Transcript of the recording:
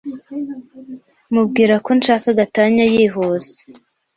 mubwira ko nshaka gatanya yihuse.